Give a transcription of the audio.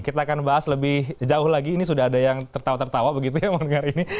kita akan bahas lebih jauh lagi ini sudah ada yang tertawa tertawa begitu ya mendengar ini